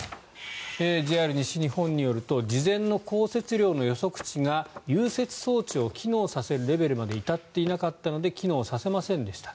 ＪＲ西日本によると事前の降雪量の予測値が融雪装置を機能させるレベルまで至っていなかったので機能させませんでした。